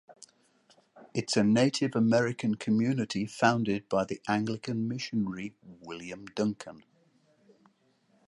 It’s a native American community founded by the Anglican missionary William Duncan.